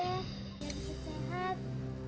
biar sedikit sehat